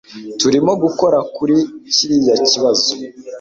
Turimo gukora kuri kiriya kibazo